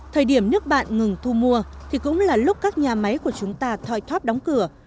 thời điểm nước bạn ngừng thu mua thì cũng là lúc các nhà máy của chúng ta thoi thoát đóng cửa